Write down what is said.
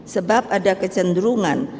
sebab ada kecenderungan